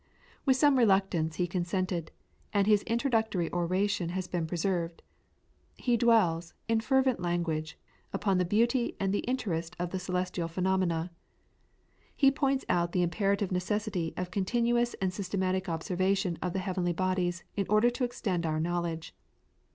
With some reluctance he consented, and his introductory oration has been preserved. He dwells, in fervent language, upon the beauty and the interest of the celestial phenomena. He points out the imperative necessity of continuous and systematic observation of the heavenly bodies in order to extend our knowledge.